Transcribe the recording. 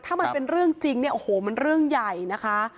ถ้ามันเป็นเรื่องจริงเนี่ยโอ้โหมันเรื่องใหญ่นะคะ